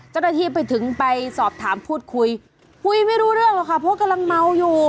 เจ้าหน้าที่ไปถึงไปสอบถามพูดคุยคุยไม่รู้เรื่องหรอกค่ะเพราะกำลังเมาอยู่